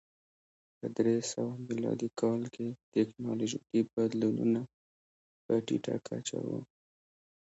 په درې سوه میلادي کال کې ټکنالوژیکي بدلونونه په ټیټه کچه و.